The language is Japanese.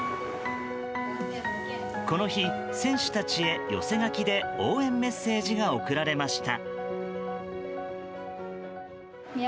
この日、選手たちへ寄せ書きで応援メッセージが送られました。